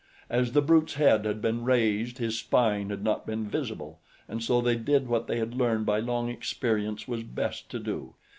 As the brute's head had been raised, his spine had not been visible; and so they did what they had learned by long experience was best to do.